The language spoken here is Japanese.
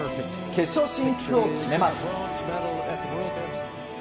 決勝進出を決めます。